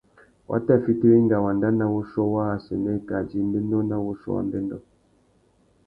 Wa tà fiti wenga wanda nà wuchiô waā assênē kā djï mbénô nà wuchiô wa mbêndô.